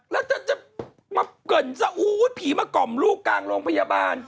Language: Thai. แล้วจะมาเกิดซะอู๊ผีมากล่อมลูกกลางโรงพยาบาล